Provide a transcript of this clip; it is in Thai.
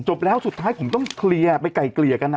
แล้วสุดท้ายผมต้องเคลียร์ไปไก่เกลี่ยกัน